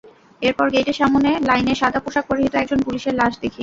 এরপর গেইটের সামনে লাইনে সাদা পোশাক পরিহিত একজন পুলিশের লাশ দেখি।